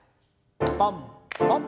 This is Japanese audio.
ポンポン。